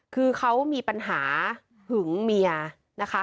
คือเขามีปัญหาหึงเมียนะคะ